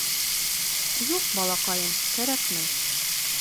— Юҡ, балаҡайым, кәрәкмәй!